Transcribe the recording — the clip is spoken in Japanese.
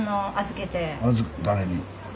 誰に？